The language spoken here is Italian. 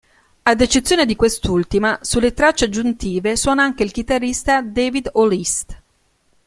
Ad eccezione di quest'ultima, sulle tracce aggiuntive suona anche il chitarrista David O'List.